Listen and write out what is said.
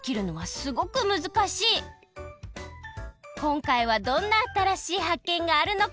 こんかいはどんなあたらしいはっけんがあるのか楽しみ！